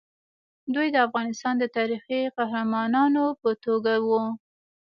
دوی د افغانستان د تاریخي قهرمانانو په توګه وو.